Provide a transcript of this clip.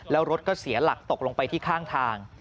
แล้วรถก็เสียหลักตกลงไปที่ข้างทาง